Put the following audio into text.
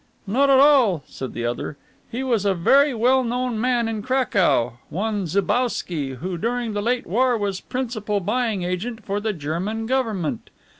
"Not at all," said the other. "He was a very well known man in Cracow, one Zibowski, who during the late war was principal buying agent for the German Government.